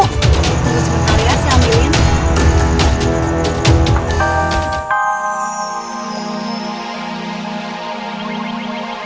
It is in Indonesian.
terima kasih amirin